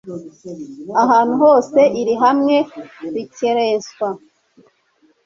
Ahantu hose iri hame rikerenswa,